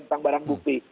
tentang barang bukti